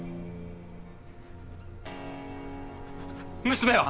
娘は？